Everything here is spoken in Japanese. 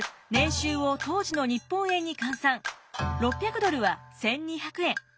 ６００ドルは１，２００円。